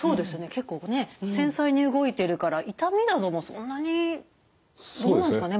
結構繊細に動いてるから痛みなどもそんなにどうなんですかね？